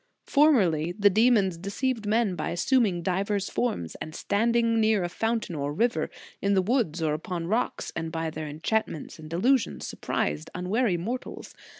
"Formerly the demons deceived men by assuming divers forms, and standing near a fountain or a river; in the woods or upon rocks, and by their enchantments and delu sions surprised unwary mortals.